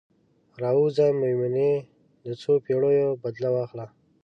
راووځه میمونۍ، د څوپیړیو بدل واخله